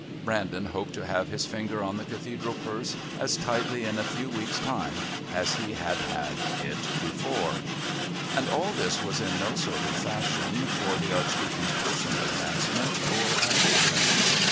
Brandon hoped to have his finger on the Cathedral purse as tightly in a few weeks' time as he had had it before. And all this was in no sort of fashion for the Archdeacon's personal advancement or ambition.